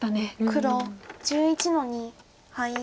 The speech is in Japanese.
黒１１の二ハイ。